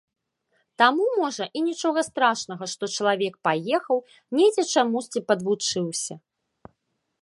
Таму, можа, і нічога страшнага, што чалавек паехаў, недзе чамусьці падвучыўся.